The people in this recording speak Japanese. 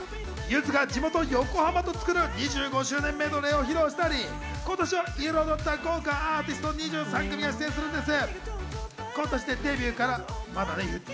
ゆずが地元・横浜と作る２５周年メドレーを披露したり、今年を彩った豪華アーティスト２３組が出演します。